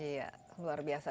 ya luar biasa